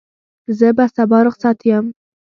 زه به سبا رخصت یم.